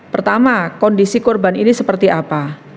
pertama kondisi korban ini seperti apa